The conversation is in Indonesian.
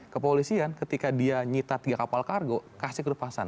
kepolisian ketika dia nyita tiga kapal kargo kasih kelepasan